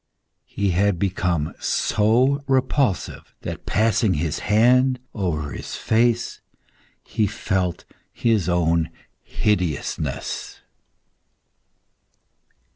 He had become so repulsive, that passing his hand over his face, he felt his own hideousness.